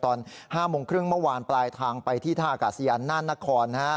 ตอน๕โมงครึ่งเมื่อวานปลายทางไปที่ท่าอากาศยานน่านนคร